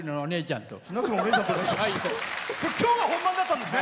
きょうは本番だったんですね。